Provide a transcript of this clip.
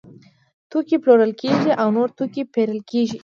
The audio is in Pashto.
توکي پلورل کیږي او نور توکي پیرل کیږي.